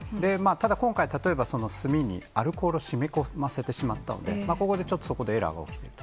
ただ今回、例えば炭にアルコールを染み込ませてしまったので、ここでちょっと、そこでエラーが起きている。